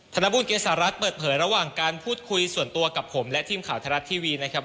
ธนบุญเกษารัฐเปิดเผยระหว่างการพูดคุยส่วนตัวกับผมและทีมข่าวไทยรัฐทีวีนะครับ